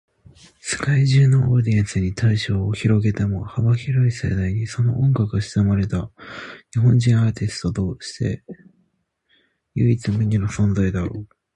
世界中のオーディエンスに対象を広げても、幅広い世代にその音楽が親しまれた日本人アーティストとして唯一無二の存在だろう。